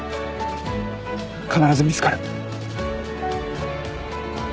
必ず見つかる。